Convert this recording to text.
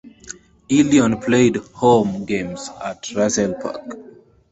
Ilion played home games at Russell Park.